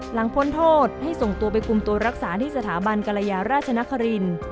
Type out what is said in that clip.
พ้นโทษให้ส่งตัวไปคุมตัวรักษาที่สถาบันกรยาราชนครินทร์